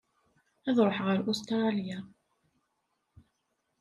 Ad ṛuḥeɣ ar Ustṛalya.